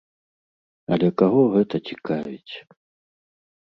Але каго гэта цікавіць?